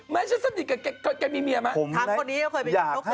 แม่ฉันสนิทกับแกแกมีเมียมั้ย